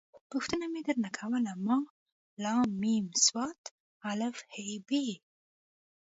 پوښتنه مې در نه کوله ما …ل …م ص … ا .. ح… ب.